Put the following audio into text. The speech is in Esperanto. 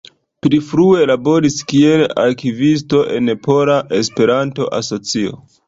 Pli frue laboris kiel arkivisto en Pola Esperanto-Asocio.